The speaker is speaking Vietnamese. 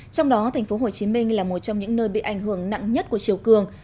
trong đó thành phố hồ chí minh là một trong những nơi bị ảnh hưởng nặng nhất của chiều cường